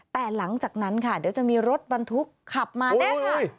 แต่หลังจากนั้นค่ะเดี๋ยวจะมีรถบรรทุกขับมาแน่ค่ะ